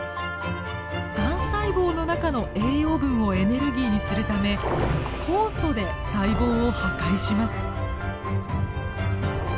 がん細胞の中の栄養分をエネルギーにするため酵素で細胞を破壊します。